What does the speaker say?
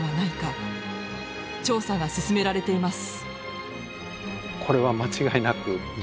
調査が進められています。